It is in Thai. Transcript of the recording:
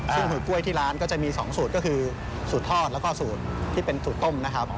ซึ่งหือกล้วยที่ร้านก็จะมี๒สูตรก็คือสูตรทอดแล้วก็สูตรที่เป็นสูตรต้มนะครับ